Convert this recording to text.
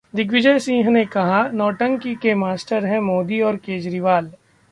दिग्विजय सिंह ने कहा, 'नौटंकी के मास्टर हैं मोदी और केजरीवाल'